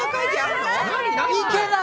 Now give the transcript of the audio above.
いけない！